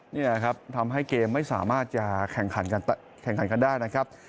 นี่แหละครับทำให้เกมไม่สามารถจะแข่งขันกันได้นะครับ